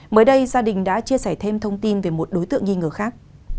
mới đây gia đình đã chia sẻ thêm thông tin về một đối tượng nghi ngờ khác